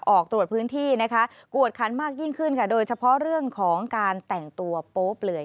ออกตรวจพื้นที่นะคะกวดคันมากยิ่งขึ้นค่ะโดยเฉพาะเรื่องของการแต่งตัวโป๊เปลือย